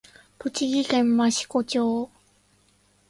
栃木県益子町